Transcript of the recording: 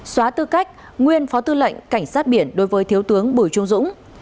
xóa tư cách nguyên phó tư lệnh cảnh sát biển đối với thiếu tướng bùi trung dũng